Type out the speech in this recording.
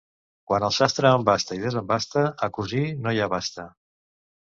Quan el sastre embasta i desembasta, a cosir no hi abasta.